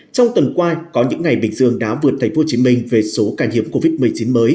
trong tuần qua có những ngày bình dương đã vượt thành phố hồ chí minh về số ca nhiễm covid một mươi chín mới